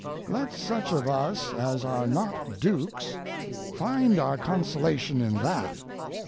Let such of us as are not dukes find our consolation in that.